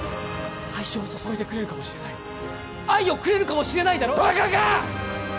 愛情を注いでくれるかもしれない愛をくれるかもしれないだろバカか！